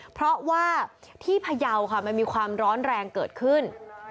เพราะว่าที่พยาวค่ะมันมีความร้อนแรงเกิดขึ้น